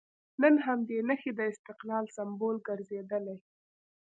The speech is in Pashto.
نن همدې نښې د استقلال سمبول ګرځېدلي.